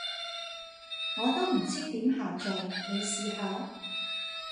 我都唔知點下載，你試下？